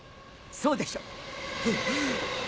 そうでしょ！